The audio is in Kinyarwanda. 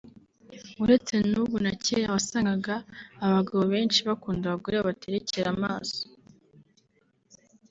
uretse n’ubu na kera wasangaga abagabo benshi bakunda abagore babaterekera amaso